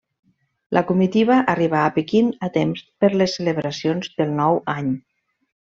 La comitiva arribà a Pequín a temps per les celebracions del Nou Any.